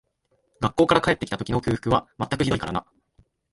学校から帰って来た時の空腹は全くひどいからな